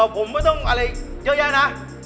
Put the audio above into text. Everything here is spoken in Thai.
ผมไม่ต้องอะไรเยอะแยะนะ